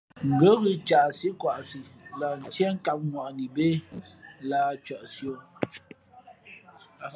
Ngα̌ ghʉ̌ caꞌsí kwaʼsi lah ntié kǎm ŋwαꞌni bé lǎh cαꞌsi ō.